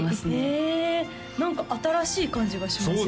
へえ何か新しい感じがしますよね